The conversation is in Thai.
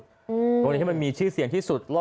โรงเรียนที่มันมีชื่อเสียงที่สุด